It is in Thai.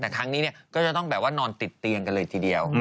แต่ครั้งนี้ก็จะต้องแบบว่านอนติดเตียงกันเลยทีเดียว